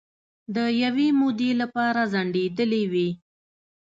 د یوې مودې لپاره ځنډیدېلې وې